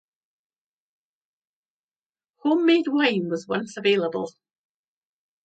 Homemade wine was once available.